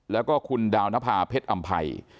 แล้วก็คุณดาวนภาพเผ็ดอัมไพร